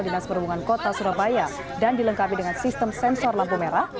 dinas perhubungan kota surabaya dan dilengkapi dengan sistem sensor lampu merah